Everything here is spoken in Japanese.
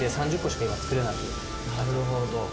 なるほど。